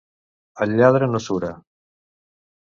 El lladre no sura.